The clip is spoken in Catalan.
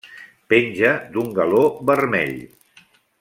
Penja d'un galó vermell.